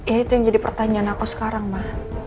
ya itu yang jadi pertanyaan aku sekarang mah